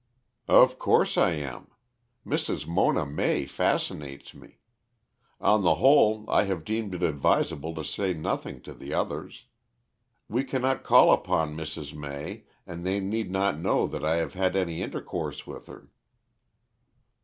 "Of course I am. Mrs. Mona May fascinates me. On the whole, I have deemed it advisable to say nothing to the others. We cannot call upon Mrs. May and they need not know that I have had any intercourse with her."